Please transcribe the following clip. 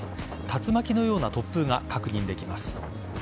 竜巻のような突風が確認できます。